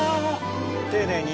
丁寧に。